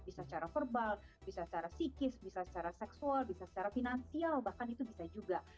bisa secara verbal bisa secara psikis bisa secara seksual bisa secara finansial bahkan itu bisa juga